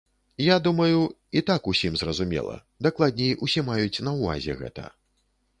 Я думаю, і так усім зразумела, дакладней усе маюць на ўвазе гэта.